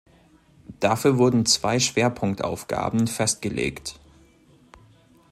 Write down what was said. Dafür wurden zwei Schwerpunktaufgaben festgelegt.